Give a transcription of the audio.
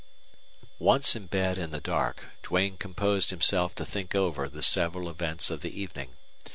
Once in bed in the dark, Duane composed himself to think over the several events of the evening.